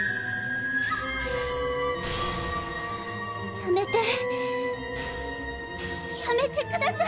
やめてやめてください。